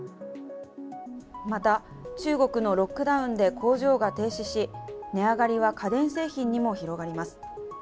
また中国のロックダウンで工場が停止し、値上がりは家電製品にも広がります。